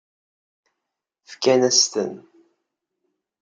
Fkan-as-ten?